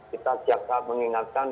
kita siap saat mengingatkan